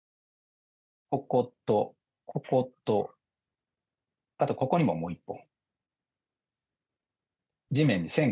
こことこことあと、ここにももう１本。